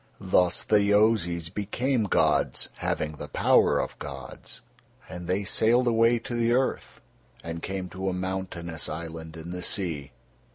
Thus the Yozis became gods, having the power of gods, and they sailed away to the earth, and came to a mountainous island in the sea.